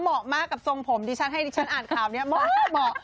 เหมาะมากกับทรงผมที่ฉันให้ฉันอ่านข่าวนี้เหมาะ